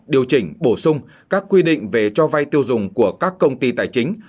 điều chỉnh bổ sung các quy định về cho vay tiêu dùng của các công ty tài chính